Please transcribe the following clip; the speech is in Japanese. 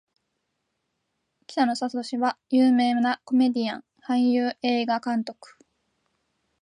北野武は有名なコメディアン・俳優・映画監督